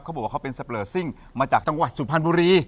เขาบอกว่าเขาเป็นสเปอร์ซิ่งมาจากจังหวัดสุพรรณบุรี